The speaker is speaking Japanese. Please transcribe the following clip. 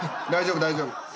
大丈夫大丈夫。